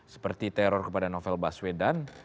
seperti teror kepada novel baswedan